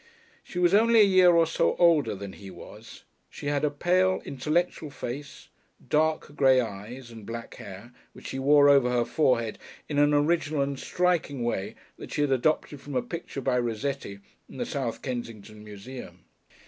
She was only a year or so older than he was; she had a pale, intellectual face, dark grey eyes, and black hair, which she wore over her forehead in an original and striking way that she had adopted from a picture by Rossetti in the South Kensington Museum.